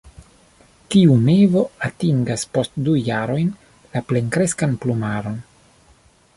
Tiu mevo atingas post du jarojn la plenkreskan plumaron.